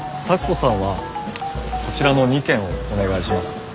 咲子さんはこちらの２軒をお願いします。